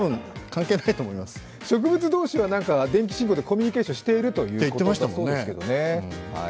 植物同士は電気信号でコミュニケーションしているって言っていましたけどね。